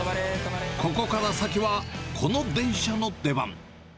ここから先はこの電車の出番。